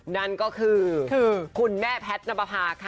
นั่นก็คือคุณแม่แพทนปภาค่ะ